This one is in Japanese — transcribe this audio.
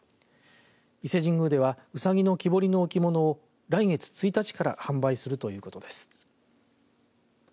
伊勢神宮ではうさぎの木彫りの置物を来月１日から販売するということです。